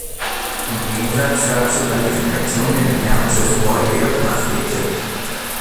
Im Gegensatz dazu verliefen die Aktionen in den Jahren zuvor jedoch immer friedlich.